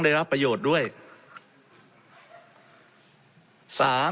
ในการที่จะระบายยาง